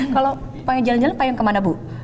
kalau pengen jalan jalan pengen kemana bu